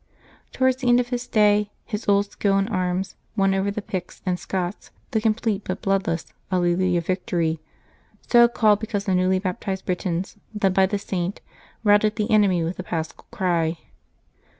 Towards the end of his stay, his old skill in arms won over the Picts and Scots the complete but blood less '^ Alleluia" victory, so called because the newly bap tized Britons, led by the Saint, routed the enemy with the Paschal cry.